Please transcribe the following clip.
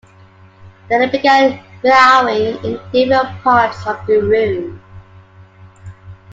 Then it began miaowing in different parts of the room.